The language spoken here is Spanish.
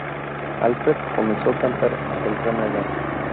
Alfred comenzó a cantar a temprana edad.